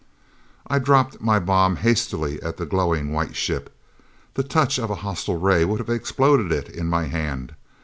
I dropped my bomb hastily at the glowing white ship. The touch of a hostile ray would have exploded it in my hand.